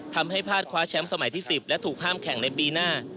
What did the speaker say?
ทำให้พลาดคว้าแชมป์สมัยที่๑๐และถูกห้ามแข่งในปีหน้า